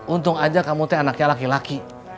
untung aja kamu teh anaknya laki laki